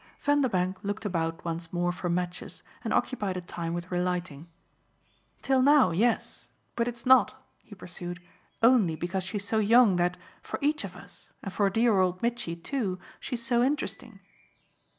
Vanderbank looked about once more for matches and occupied a time with relighting. "Till now yes. But it's not," he pursued, "only because she's so young that for each of us, and for dear old Mitchy too she's so interesting."